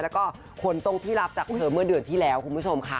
แล้วก็คนตรงที่รับจากเธอเมื่อเดือนที่แล้วคุณผู้ชมค่ะ